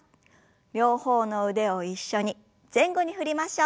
両方の腕を一緒に前後に振りましょう。